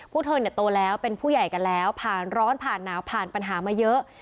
พวกเธอเนี่ยโตแล้วเป็นผู้ใหญ่กันแล้วผ่านร้อนผ่านหนาวผ่านปัญหามาเยอะ